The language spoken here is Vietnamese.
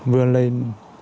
cố gắng lên